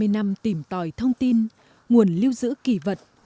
hai mươi năm tìm tòi thông tin nguồn lưu giữ kỳ vật